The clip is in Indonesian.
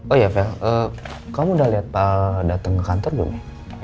oh iya fel kamu udah lihat pak datang ke kantor belum ya